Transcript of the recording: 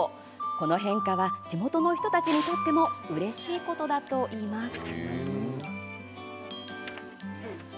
この変化は地元の人たちにとってもうれしいことだといいます。